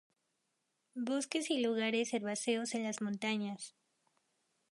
Bosques y lugares herbáceos en las montañas.